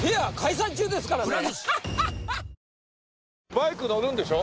バイク乗るんでしょ？